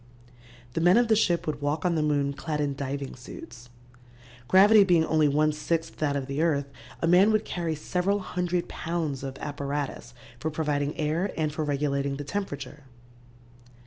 The men of the ship would walk on the moon clad in diving suits. Gravity being only one sixth that of the earth, a man would carry several hundred pounds of apparatus for providing air and for regulating the temperature.